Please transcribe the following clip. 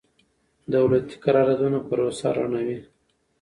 د دولتي قراردادونو پروسه رڼه وي.